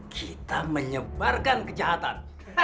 kita menyebarkan kejahatan